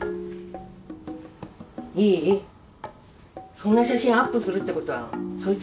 そんな写真アップするってことはソイツ